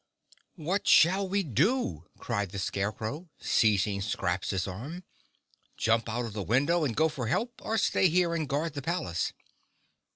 "What shall we do?" cried the Scarecrow, seizing Scraps' arm. "Jump out of the window and go for help, or stay here and guard the palace?"